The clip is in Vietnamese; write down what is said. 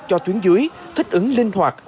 cho tuyến dưới thích ứng linh hoạt